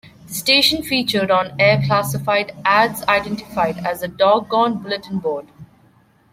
The station featured on-air classified ads identified as the Dog-Gone Bulletin Board.